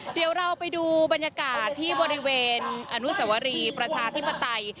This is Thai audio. เดี๋ยวเราไปดูบรรยากาศที่บริเวณอนุสวรีประชาธิปไตย